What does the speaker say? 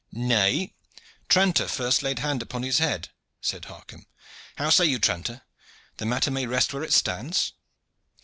"Nay; Tranter first laid hand upon his head," said Harcomb. "How say you, Tranter? The matter may rest where it stands?"